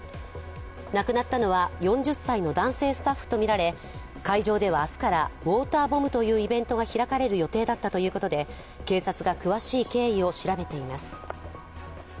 亡くなったのは、４０歳の男性スタッフとみられ、会場では明日からウォーターボムというイベントが開かれる予定だったということで、警察が詳しい経緯を調べています。